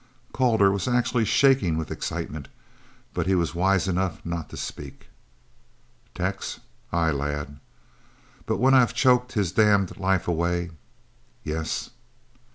Calder was actually shaking with excitement, but he was wise enough not to speak. "Tex!" "Ay, lad." "But when I've choked his damned life away " "Yes?"